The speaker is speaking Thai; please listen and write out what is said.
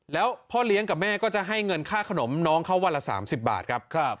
แล้วพ่อเลี้ยงกับแม่ก็จะให้เงินค่าขนมน้องเขาวันละ๓๐บาทครับ